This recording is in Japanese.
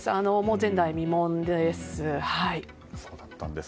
前代未聞です。